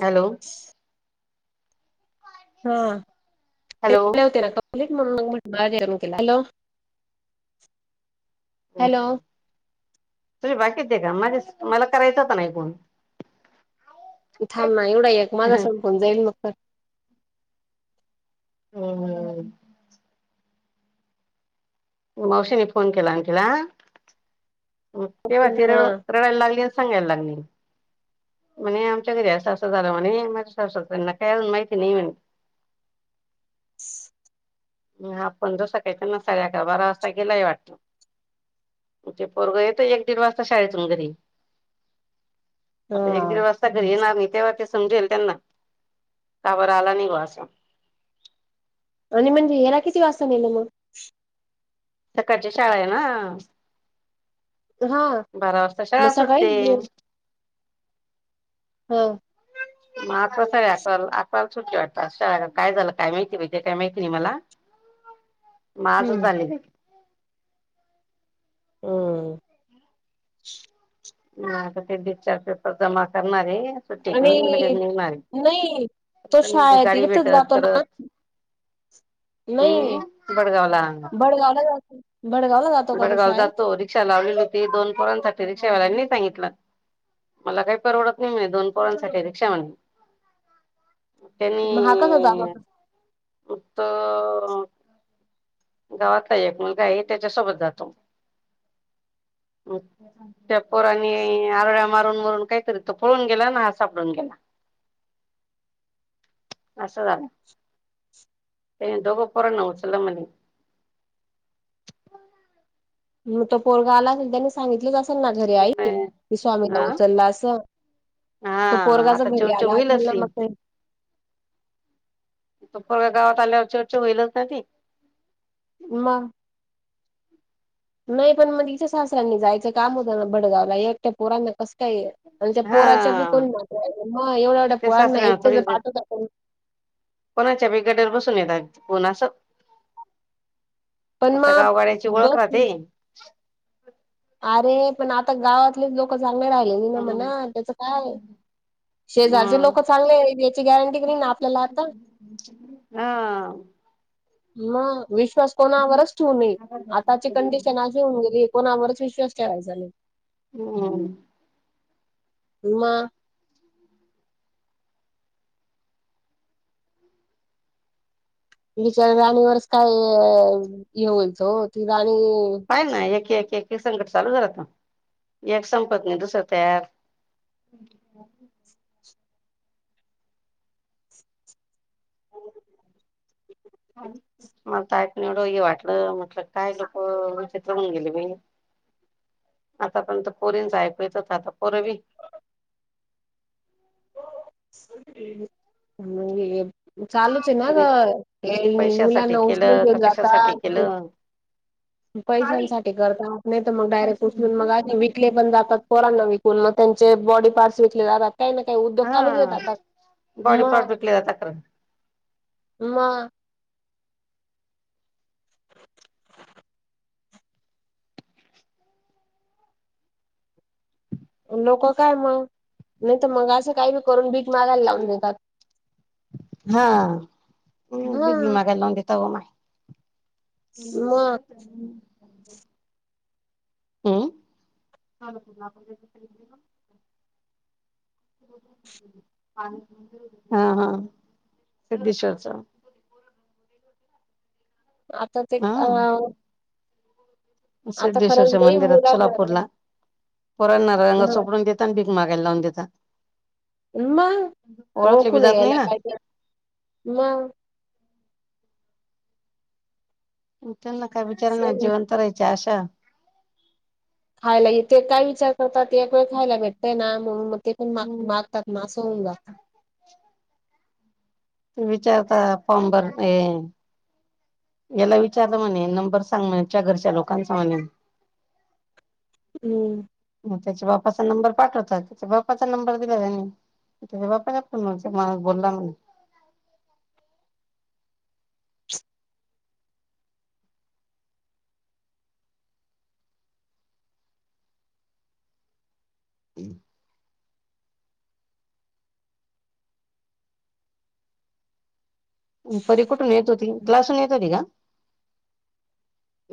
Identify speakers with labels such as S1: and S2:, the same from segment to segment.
S1: Hello
S2: हा ते
S1: hello
S2: होते र म्ह हॅलो हॅलो
S1: तुम्ही बाकीच दे का माझे मला करायचं होत नाही कोण
S2: थांब ना एवढा एक माझा संपून जाईल मग तर
S1: ह मावशीने फोन केला आणखीला तेव्हा
S2: हा
S1: तिरण लाग सगयलागली. म्हणे आमच्या घरी सासजारा म्हणे माझ्या साससाऱ्यांना काय अज माहिती नाही म्हणे हा पण ज सकाळच ना साडे अका बारा वाजता गेला वाटतो तेे पोरगं येत एक दीड वाजता शाळेतून घरी आता एक दीड
S2: हा
S1: वाजता घरी येणार नाही तेव्हा ते समजेल त्यांना कावर आला नाही ग असं
S2: आणि म्हणजे याला किती वाजता नेलं मग
S1: सकाळच्या शाळा आहे ना
S2: हा
S1: बारा वाजता शाळा
S2: मसा काय
S1: सुटते
S2: हा
S1: म आता सगळी अकरा अकराला सुट्ट वाटतात काय झालं काय माहिती पाहिजे काय माहिती नाही मला
S2: [inaudible]
S1: माझं झाले
S2: हम
S1: मता ते बी चार्ज पेपर जमा करणार आहे क
S2: आणि
S1: लगेच नि म
S2: नाही तो शाळेत
S1: गाडी
S2: इथच
S1: भेटत
S2: जातो ना
S1: करत
S2: नाही
S1: हम् बडगावला
S2: बडगावला जातो बडगावला जातो का तो
S1: गडगाव
S2: शाळेत
S1: जातो रिक्षा लावलेली होती दोन पोरांसाठी रिक्षावाल्यांनी सांगितलं मला काही परवडत नाही म्हणे दोन पोरांसाठी रिक्षा म्हणे.
S2: मग हा कसा जात
S1: त्यांनी
S2: होता
S1: उत गावात एक मुलगा ह त्याच्यासोबत जातो त्या पोरनी आरळ्या मारून मारून काही तरी तो पळून गेला ना हा सापडून गेला
S2: [inaudible]
S1: असस झाला दोघ पर न चल मणे.
S2: मग त पोरगा आला त्यांनी सांगितलंच असेल ना घरी आईन
S1: नाही
S2: की स्वामीला
S1: अ
S2: उचलला असं.
S1: हा
S2: तो पोरगाचा
S1: आता
S2: घरी
S1: चेवचेव
S2: आला असेल
S1: होईलच
S2: ना
S1: ती
S2: मग ते
S1: त पर् गावात आल्यावररच्या ववररचे होईलच ना ते
S2: [inaudible] नाही पण मग इच्या सासऱ्यांनी जायचं काम होतं ना भडगावला एकट्या पोरांना कस काय आहे आणि त्या पोराच्या पी
S1: हा
S2: कोण म एवढ्या एवढ्या
S1: ते
S2: पोरांना
S1: सासऱ्याना थोडी
S2: एकट्याच पाठवतण
S1: कोणाच्या बेगाड्यावर बसून येतात कोणा असं
S2: पण
S1: आता
S2: मग
S1: गावगाड्याची
S2: बघ
S1: ओळख
S2: तू,
S1: राहते
S2: अरे पण आता गावातलेच लोक चांगले राहिले नि ना
S1: हम्म
S2: म्हणा त्याच काय शेजारचे लोक
S1: हम्म
S2: चांगले याची गॅरंटी क ना आपल्याला आता
S1: हा
S2: म विश्वास कोणावरच ठेवू नये आताची कंडिशन े एकोण आवरच विश्वास ठेवायचाले
S1: हम्
S2: ह्मा तिच राणीवरच काय हे होईच ती राणी
S1: काय ना एक एक एक संकट चालू रात एक संपत नाही दुसरं तयार - हा मला तक नि एवढं हे वाटलं म्हटलं काय लोक विचित्र होऊन गेले मी - आता पणंत पोरींच ऐकू येतच आता पोर बी -
S2: [unintelligible] चालू त्या ना ग
S1: तिने
S2: ते
S1: पैशासाठी
S2: मुलांना उचलून
S1: केलं का
S2: घेऊन
S1: कशासाठी
S2: जातात.
S1: केलं
S2: पैशांसाठी करता नाही तर मग डायरेक्ट उचलून मग आ विकले पण जातात. पोरांना विकून मग त्यांचे बॉडी पार्टस विकले जातात. काही ना काही उद्योग चालू
S1: हा
S2: घेतात
S1: बॉडी
S2: मग
S1: पार्ट विकले जाता खरं
S2: -मग [inaudible] लोकं काय मग नाही तर मग असं काही नाही करून भीक मागायला लावून देतात.
S1: हा
S2: हा
S1: भीक मागायला लाऊन देतात मग -
S2: मग
S1: [unintelligible] अं हा -हा सिद्धश्वचा -
S2: आता ते
S1: हा
S2: अ -
S1: सिद्धेश्वर
S2: खरंच लई
S1: मंदिरात
S2: मुलांना
S1: सोलापूरला पुरणारंग
S2: हं,
S1: सोपडून घेत - भीक मागायला लाऊन देतात.
S2: मग
S1: ओळखले बी
S2: ओळखून
S1: जात नाही
S2: यायला
S1: ना
S2: पाहिजे मग -
S1: इथ ना काय बिचार नाही जिवंत राहायचं अस -
S2: खायला येते काय विचार करतात या खायला भेटतय ना म्हणून मग ते पण माग मागतात. मग अस होऊन जात -
S1: तु विचारता पाम बरतय - याला विचारलं म्हणे नंबर सांग म्हणेच्या घरच्या लोकांचा म्हणे -
S2: हम्म, !
S1: मग त्याच्या बाप्पाचा नंबर पाठवताात त्याच्या बाप्पाचा नंबर दिला त्यानी - तझ बापाच्याण म्ह माझ बोलला - [unintelligible] परी कुठून येत होती क्लासून येत होती का ग -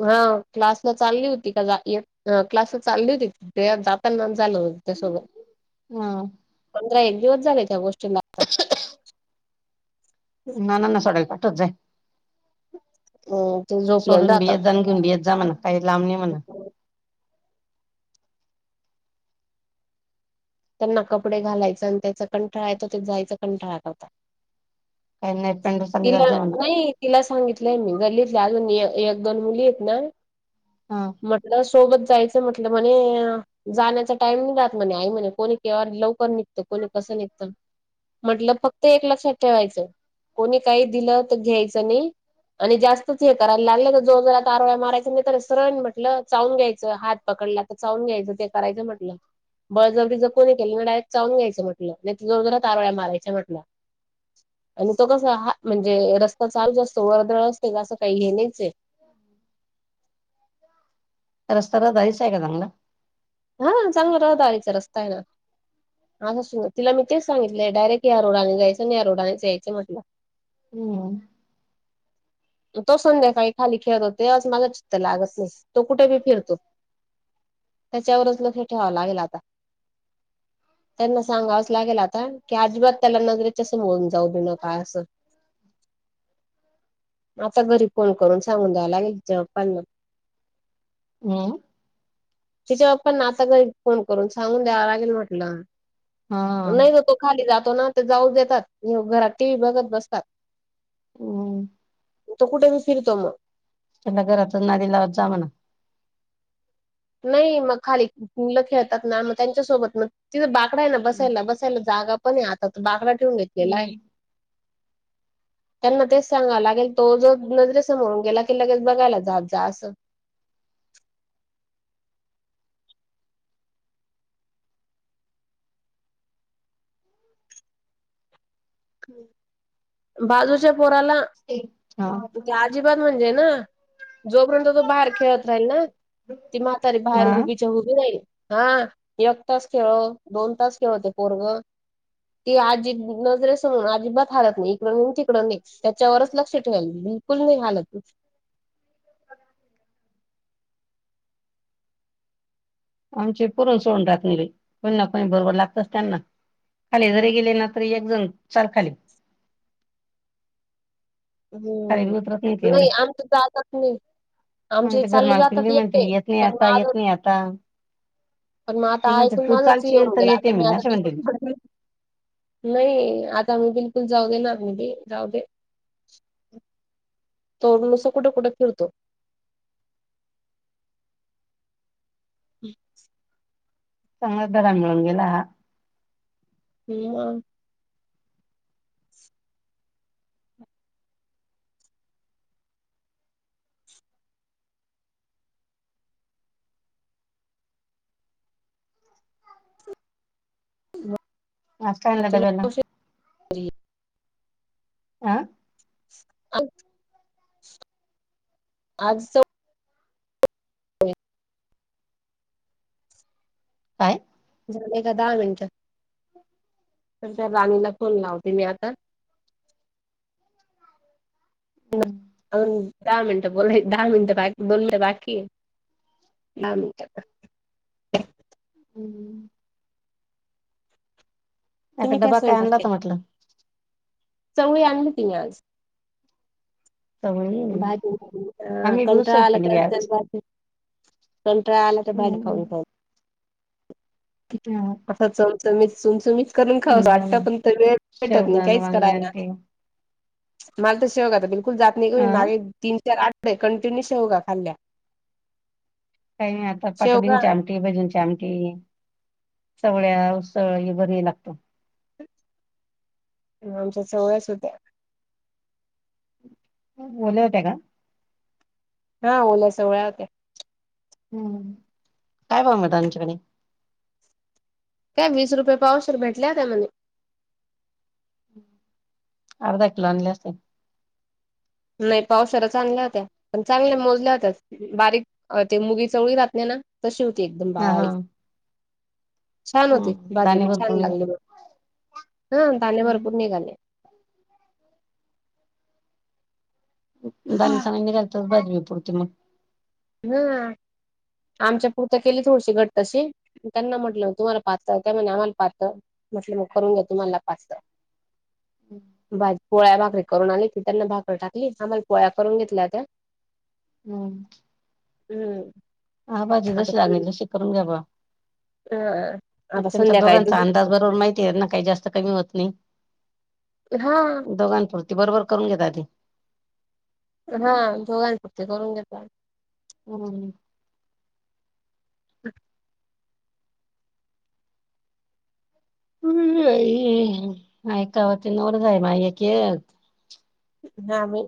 S2: हा क्लासला चालली होती का क्लासला चालली होती. जाताना झालं त्या सोबत
S1: हा
S2: पंधरा एक दिवस झाले त्या गोष्टीला -
S1: नाना ना सोडायला पाठवच आहे
S2: ते झोपलेले
S1: सोडून बी
S2: राहतात.
S1: येजा - येकुंडन येत जा म्हण काही लांब नाही म्हण -
S2: त्यांना कपडे घालायचं आणि त्याचा कंठाळा तर ते जायचं कंटाळा करतात.
S1: काही नाही पेंडू चालली जात
S2: तिला
S1: जा म्हणा
S2: नाही. तिला सांगितलंय मी गल्लीतले अजून एक दोन मुली आहेत ना -
S1: हा
S2: म्हटलं सोबत जायचं म्हटलं म्हणे जाण्याचा टाइम नाही राहत म्हणे आई म्हणे - कोणी केव्हा लवकर निघत कोणी कसं निघत म्हटलं फक्त एक लक्षात ठेवायचं. कोणी काही दिलं तर घ्यायचं नाही. आणि जास्तच हे करायला लागलं तर जो जरात आारळ्या मारायचं नाही तर सरण म्हटलं - चाऊून घ्यायचं हात पकडला तर चावून घ्यायचं ते करायचं म्हटलं बळजबरी- डायरेट चावून घ्यायंचा म्हटलं जोर जोरात आरळ्या मारयंच म्हटलं. आणि तो कसा हा म्हणजे रस्ता चालूच असतो ' वरदळ असते तर असं काही नाहीच आहे.
S1: रस्त्या रहदारीच आहे का चांगला -
S2: हा चांगला रहदारीचा रस्ता आहे ना - असं तला मी ते सांगितलंय डायरेक्ट या रोडाने जायचं आणि या रोडाने जा यायं म्हटलं.
S1: हम्म
S2: तो संध्याकाळी खाली खेळत होते आज माझ चित् लागत नाही तो कुठे बी फिरतो. त्याच्यावरच ल ते ठेवावं लागेल आता - त्यांना सांगावंच लागेल, आता की अजिबात त्याला नगरेच्या समोरून जाऊ देऊ नका असं. आता घरी फोन करून सांगून द्यावं लागेल, ज पण
S1: हम्
S2: तिच्या बाप्पांना आता घरी फोन करून सांगून द्यावं लागेल म्हटलं.
S1: हा
S2: नाही ग तो खाली जातो ना, त जाऊ देतात, घरात टी व्ही बघत बसतात
S1: हम्म
S2: तो कुठे बी फिरतो मग
S1: त्याला घरातच ना दिलावत जा म्हणा
S2: नाही मग खाली मूल खेळतात ना मग त्यांच्यासोबत मग तिथं बाकडा आहे ना, बसायला, बसायला जागा पण आहे. आता तर बाकडा ठेवून घेतलेला आहे.
S1: हम्म.
S2: त्यांना तेच सांगा लागेल, तो जो नजरेसमोरून गेला की लगेच बघायला जात जा असं. बाजूच्या पोराला
S1: हा
S2: ते अजिबात म्हणजे ना, जोपर्यंत तो बाहेर खेळत राहील ना ती म्हातारी बाहेर
S1: हा.
S2: हुबीच्या हुबीच्या राहील. हा एक तास खेळो, दोन तास खेळलो ते पोरग ती आजी नजरे अजिबात हलत नाही. इकड नाही, तिकडं नाही त्याच्यावरच लक्ष ठेवाल बिलकुल नाही हलत
S1: आमची पुरण सोडून टाकणारी कोणी ना कोणी बरोबर लागतच त्यांना खाली जरी गेले ना तरी, एक जण चल खाली खाली
S2: हम्म,
S1: बी उतरत ते एवढे
S2: नाही आमच जातच नाही
S1: मग
S2: आमचे
S1: ते घर
S2: चालले
S1: मालकीन
S2: जातात
S1: बी म्हणते
S2: एकटे
S1: येत नाही
S2: पण
S1: आता
S2: ज
S1: येत नाही आता
S2: पण मग
S1: ती म्हणते
S2: आतासून
S1: तू
S2: माझंच
S1: चालशील
S2: येऊन
S1: तर येते
S2: गेलंता मी
S1: असे
S2: आता
S1: म्हणते ती
S2: त नाही, आता मी बिलकुल जाऊ देणार नाही. जाऊ दे तो न असं कुठे कुठे फिरतो हम्
S1: चांगल्या दरा मिळून गेला
S2: हम
S1: आज काय आणला डब्याला
S2: [unintelligible]
S1: आं
S2: अ आज
S1: काय
S2: झाले का दहा मिनिट तर राणीला फोन लावते मी आता.
S1: हम्
S2: अ दहा मिनिटं बोला दहा मिनिटं बाकी दोन मिनटं बाकी आहे. दहा मिनिट
S1: हम्म एका
S2: तुम्ही
S1: डबा काय
S2: स्वयंपाक
S1: आणला होता
S2: केला
S1: म्हटलं
S2: चवळी आणली होती मी आज.
S1: चवळी
S2: भाजी
S1: आम्ही बी
S2: कंटाळ
S1: उसळ केली बी
S2: आलं असल
S1: आज
S2: भा कंटाळा आला तो बाहेर खाऊन खाऊन
S1: हम.
S2: आता चमचमीत चमचमीत करून खाऊ वाटत. पण वेळ भेटत नाही
S1: शेवगा अन
S2: काहीच
S1: वांगे अन
S2: करायला
S1: ते
S2: मला तर शेवगा बिलकुल जात नाही,
S1: अ
S2: मागे तीन चार आठवडे कंटिन्यू शेवगा खाल्ल्या.
S1: काही आता
S2: शेवगा
S1: पटोडीची आमट भजींची आमटी सवळ्या उसळ बरी लागतो.
S2: आमच्या सवळ्याच होत्या.
S1: ले होते आहे का?
S2: हा ओल्या सोहळ्या होत्या.
S1: हम् काय ब मत आमच्याकडे.
S2: काय वीस रुपये पावसर भेटल्या त्या म..
S1: अर्धा किलो आणले असते.
S2: नाही पावसाळा चांगल्या होत्या. पण चांगल्या मोजल्या होत्या बारीक. अ ते मुगी चवळी राहात नाही ना तशी होती. एकदम
S1: हा हा
S2: बारीक. छान होती.
S1: हम्म
S2: भाजी
S1: दाणे
S2: बी
S1: भरपूर
S2: छान लागली म हा दाणे भरपूर निघाले.
S1: दणीसगांनी घालतात. बाजवी पुुरते मग.
S2: हम्. आमच्या पुरत केली थोडीशी घट तशी त्यांना म्हटलं तुम्हाला पाह त्या म्ह आम्हाला पहात. म्हटलं मग करून घेत तो मला पाचलं. बाज पोळ्या भाकरी करून आली ती त्यांना भाकरी टाकली. आांमला पोळ्या करून घेतल्या. त्या
S1: हम्म.
S2: हम्म.
S1: हा भाजी
S2: आता
S1: जशी लागली. तशी करून घ्यावं.
S2: हा
S1: म
S2: आता
S1: त्यांच्या
S2: संध्याकाळी
S1: दोघांचा अंदाज बरोबर
S2: दूध
S1: माहिती. ना काही जास्त कमी होत नाही
S2: हा
S1: दोघांपुरती बरोबर करून घेत. आधी
S2: हा दोघांपरती करून घेत.
S1: हम.
S2: [unintelligible]
S1: हम् मायकावती नोड जाय मायक य.
S2: हा मी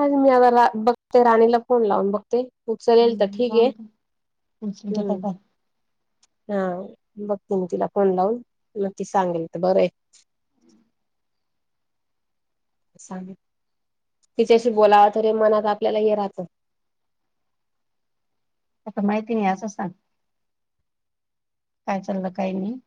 S2: अ मी आता बघते राणीला फोन लावून बघते. फूग लेल तर ठीक आहे
S1: तुमच्या काय
S2: हम्म.
S1: काय
S2: हा बघ त मी तिला फोन लावून नक्की सांगेल तर बरं आहे. सांग तिच्याशी बोलाव तरी मनात आपल्याला हे राहतं.
S1: आता माहिती नाही असं सांग. काय चाललं काही नाही.